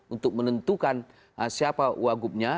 untuk menentukan siapa wagubnya